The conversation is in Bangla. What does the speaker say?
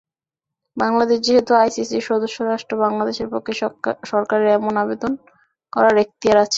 বাংলাদেশ যেহেতু আইসিসির সদস্যরাষ্ট্র, বাংলাদেশের পক্ষে সরকারের এমন আবেদন করার এখতিয়ার আছে।